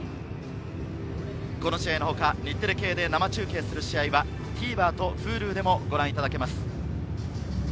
この試合の他、日テレ系で生中継する試合はＴＶｅｒとＨｕｌｕでもご覧いただけます。